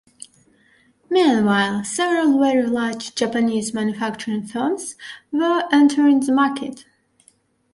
Meanwhile, several very large Japanese manufacturing firms were entering the market.